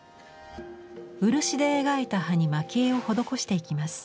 漆で描いた葉に蒔絵を施していきます。